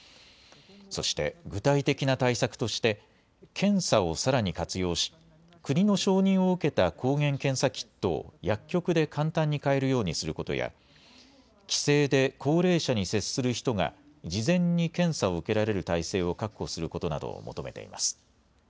そして具体的な対策として検査をさらに活用し、国の承認を受けた抗原検査キットを薬局で簡単に買えるようにすることや帰省で高齢者に接する人が事前に検査を受けられる体制を確保することなどを求めています。